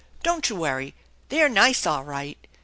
Don't you worry. They're nice, all right."